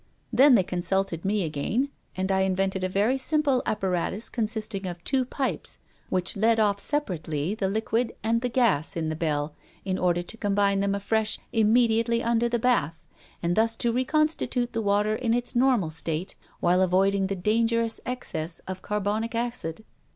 Then they consulted me again, and I invented a very simple apparatus consisting of two pipes which led off separately the liquid and the gas in the bell in order to combine them afresh immediately under the bath, and thus to reconstitute the water in its normal state while avoiding the dangerous excess of carbonic acid.